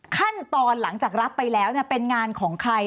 ขั้นตอนหลังจากรับไปแล้วเป็นงานของใคร